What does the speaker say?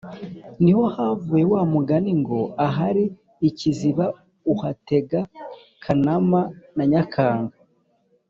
Ni ho havuye wa mugani ngo « Ahari ikiziba uhatega Kanama na Nyakanga »